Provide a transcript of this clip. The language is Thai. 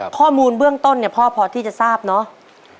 ข้อมูลเบื้องต้นเนี่ยพ่อพอที่จะทราบเนอะ